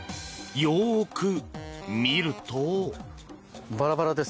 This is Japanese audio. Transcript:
よく見ると。